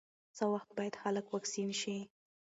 څه وخت باید خلک واکسین شي؟